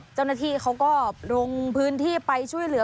เจ้าหน้าที่เขาก็ลงพื้นที่ไปช่วยเหลือ